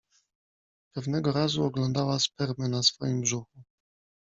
Pewnego razu oglądała spermę na swoim brzuchu.